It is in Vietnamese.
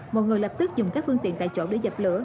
một người lập tức dùng các phương tiện tại chỗ để dập lửa